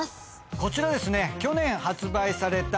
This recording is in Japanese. こちらですね